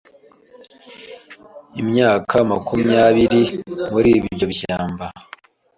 imyaka makumyabiri muri ibyo bishyamba,